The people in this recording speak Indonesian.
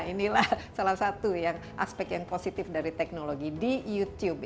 inilah salah satu yang aspek yang positif dari teknologi di youtube